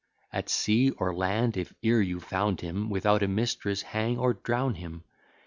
At sea or land, if e'er you found him Without a mistress, hang or drown him.